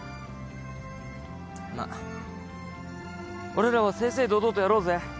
まっ俺らは正々堂々とやろうぜ。